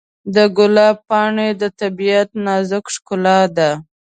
د ګلاب پاڼې د طبیعت نازک ښکلا ده.